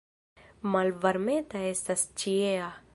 Malvarmeta estas ĉiea.